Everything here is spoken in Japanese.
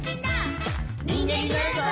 「にんげんになるぞ！」